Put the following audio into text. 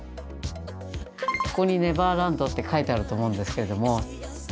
ここに「ネバーランド」って書いてあると思うんですけども。